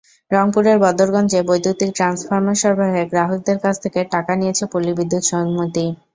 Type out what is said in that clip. রংপুরের বদরগঞ্জে বৈদ্যুতিক ট্রান্সফরমার সরবরাহে গ্রাহকদের কাছ থেকে টাকা নিয়েছে পল্লী বিদ্যুৎ সমিতি।